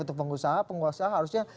untuk pengusaha penguasa harusnya